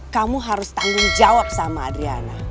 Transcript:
kamu harus tanggung jawab sama adriana